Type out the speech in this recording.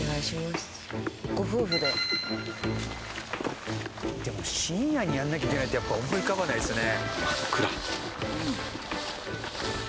でも深夜にやんなきゃいけないってやっぱ思い浮かばないですね。